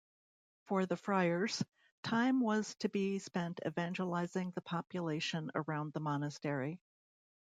For the friars, time was to be spent evangelizing the population around the monastery.